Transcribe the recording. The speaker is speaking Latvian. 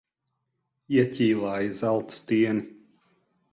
Ieķīlāja zelta stieni.